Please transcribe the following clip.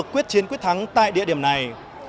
quyết chiến quyết thắng tại địa điểm này